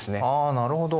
あなるほど。